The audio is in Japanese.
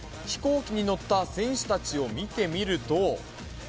飛行機に乗った選手たちを見てみると。